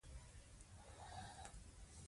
د کولمو روغتیا د هضم ترڅنګ ذهني فعالیت هم اغېزمنوي.